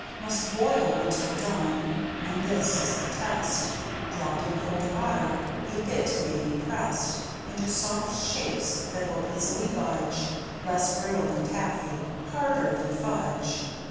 Must boil until done. And this is the test: Dropped in cold water a bit may be pressed Into soft shapes that will easily budge (Less brittle than Taffy — harder than Fudge)